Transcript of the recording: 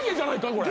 これ。